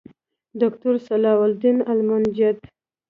دوکتور صلاح الدین المنجد